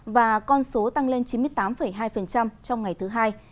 và con số tăng lên chín mươi tám hai trong ngày thứ hai